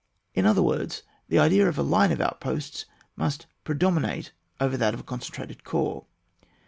In other words, the idea of a line of outposts must predomi nate over that of a concentrated corps.